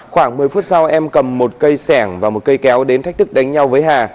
khoảng một mươi phút sau em cầm một cây sẻng và một cây kéo đến thách thức đánh nhau với hà